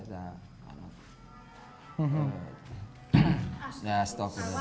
ya setelah itu